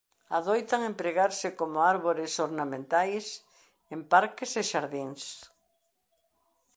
Adoitan empregarse coma arbores ornamentais en parques e xardíns.